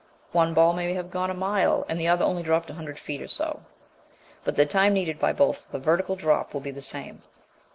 One ball may have gone a mile and the other only dropped a hundred feet or so, but the time needed by both for the vertical drop will be the same.